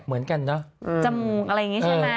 มันใช่